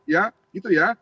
ya gitu ya